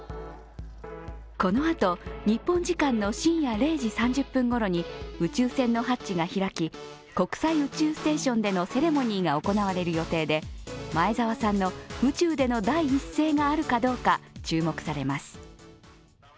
このあと、日本時間の深夜０時３０分ごろに宇宙船のハッチが開き国際宇宙ステーションでのセレモニーが行われる予定で、前澤さんの宇宙での第一声があるかどうか注目されます。